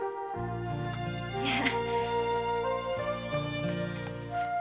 じゃあ。